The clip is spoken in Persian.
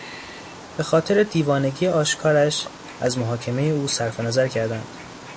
به خاطر دیوانگی آشکارش از محاکمهی او صرفنظر کردند.